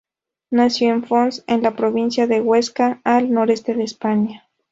Nació en Fonz, en la Provincia de Huesca, al noreste de España.